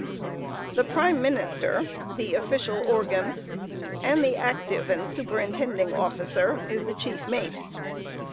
The prime minister, the official organ, and the active and superintending officer, is the chief mate.